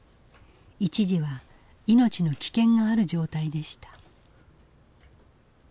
一時は命の危険がある状態でした。